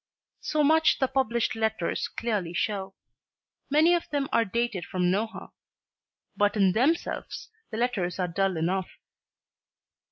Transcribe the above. So much the published letters clearly show. Many of them are dated from Nohant. But in themselves the letters are dull enough.